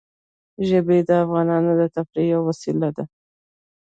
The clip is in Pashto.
ژبې د افغانانو د تفریح یوه وسیله ده.